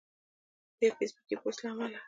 د یو فیسبوکي پوسټ له امله